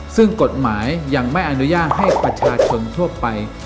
ซึ่งกฎหมายยังไม่อนุญาตให้ประชาชนทั่วไป